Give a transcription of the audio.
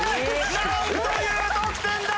なんという得点だ！